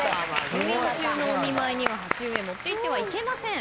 入院中のお見舞いには鉢植え持っていってはいけません。